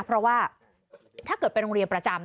เพราะว่าถ้าเกิดเป็นโรงเรียนประจำ